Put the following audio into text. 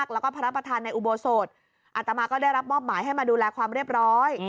แล้วก็พระประธานในอุโบสถอัตมาก็ได้รับมอบหมายให้มาดูแลความเรียบร้อย